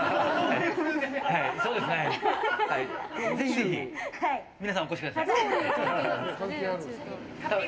ぜひ皆さんお越しください。